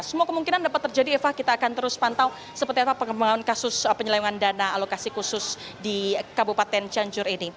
semua kemungkinan dapat terjadi eva kita akan terus pantau seperti apa pengembangan kasus penyelewengan dana alokasi khusus di kabupaten cianjur ini